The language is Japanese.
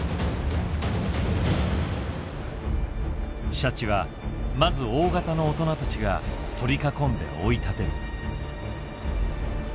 シャチはまず大型の大人たちが取り囲んで追い立てる。